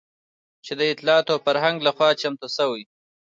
چې د اطلاعاتو او فرهنګ لخوا چمتو شوى